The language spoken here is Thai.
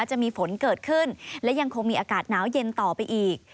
จะมีฝนเกิดขึ้นและยังคงมีอากาศหนาวเย็นต่อไปอีก